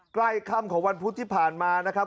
ใกล้ค่ำของวันพุธที่ผ่านมานะครับ